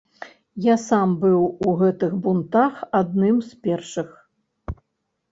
Я сам быў у гэтых бунтах адным з першых.